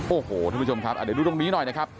โอ้โหท่านผู้ชมครับเดี๋ยวดูตรงนี้หน่อยนะครับ